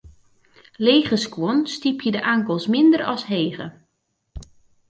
Lege skuon stypje de ankels minder as hege.